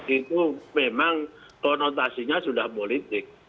itu memang konotasinya sudah politik